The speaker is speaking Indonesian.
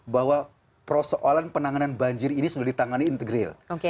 bahwa persoalan penanganan banjir ini sudah ditangani integril